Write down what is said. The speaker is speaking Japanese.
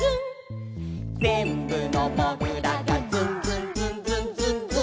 「ぜんぶのもぐらが」「ズンズンズンズンズンズン」